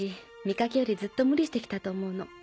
見かけよりずっと無理して来たと思うの。